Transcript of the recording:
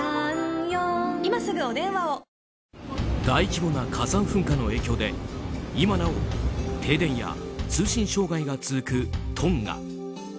大規模な火山噴火の影響で今なお停電や通信障害が続くトンガ。